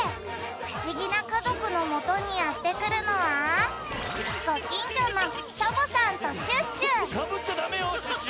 ふしぎなかぞくのもとにやってくるのはサボっちゃダメよシュッシュ！